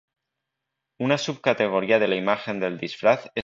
Una subcategoría de la imagen del disfraz es la película del "samurái".